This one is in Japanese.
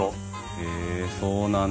へえそうなんだ。